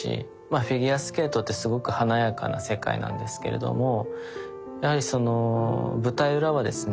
フィギュアスケートってすごく華やかな世界なんですけれどもやはりその舞台裏はですね